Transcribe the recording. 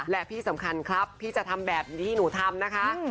และที่สำคัญครับพี่จะทำแบบที่หนูทำนะคะ